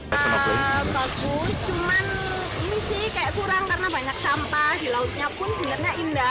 bagus cuman ini sih kayak kurang karena banyak sampah di lautnya pun sebenarnya indah